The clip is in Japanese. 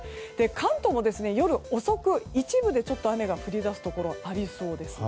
関東も夜遅く、一部で雨が降り出すところがありそうです。